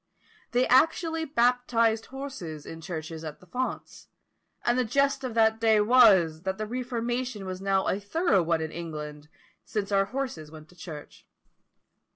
They actually baptized horses in churches at the fonts; and the jest of that day was, that the Reformation was now a thorough one in England, since our horses went to church.